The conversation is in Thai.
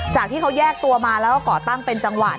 ที่เขาแยกตัวมาแล้วก็ก่อตั้งเป็นจังหวะ